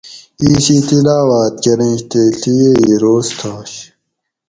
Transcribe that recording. اِیس ای تلاواۤت کۤرینش تے ڷیہ ای روز تھاش